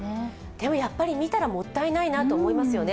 でもやっぱり見たら、もったいないなと思いますよね。